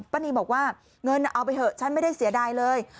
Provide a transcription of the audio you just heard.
ป้านีบอกว่าเงินเอาไปเถอะฉันไม่ได้เสียดายเลย